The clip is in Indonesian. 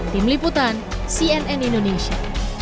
tim liputan cnn indonesia